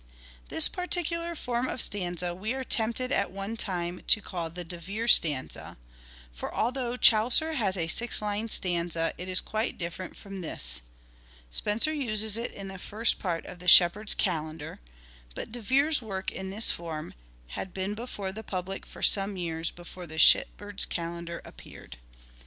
This particular form of stanza we were tempted at The poems one time to call the De Vere stanza ; for although L*or(j vaux. Chaucer has a six lined stanza it is quite different from this. • Spenser uses it in the first part of the " Shepherd's Calendar "; but De Vere's work in this form had been before the public for some years before the " Shepherd's Calendar " appeared.